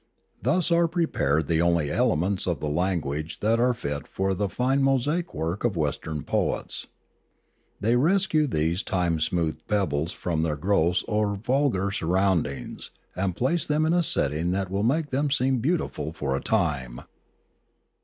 Thus are prepared the only elements of the language that are fit for the fine mosaic work of Western poets. They rescue these time smoothed pebbles from their gross or vulgar surroundings and place them in a setting that will make them seem beautiful for a time.